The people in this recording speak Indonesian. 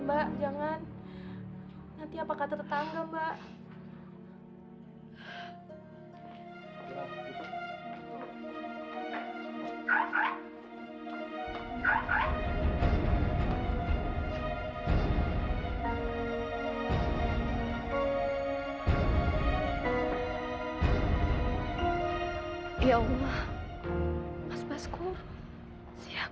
buat antar istri saya ke rumah sakit